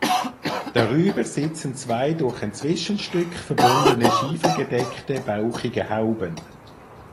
Darüber sitzen zwei durch ein Zwischenstück verbundene schiefergedeckte bauchige Hauben.